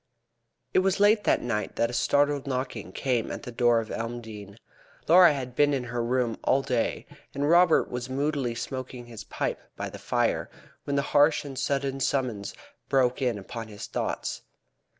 It was late that night that a startled knocking came at the door of Elmdene. Laura had been in her room all day, and Robert was moodily smoking his pipe by the fire, when this harsh and sudden summons broke in upon his thoughts.